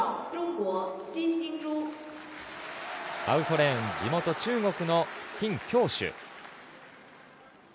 アウトレーン地元・中国のキン・キョウシュ。